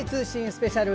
スペシャル。